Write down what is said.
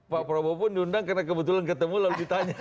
pak prabowo pun diundang karena kebetulan ketemu lalu ditanya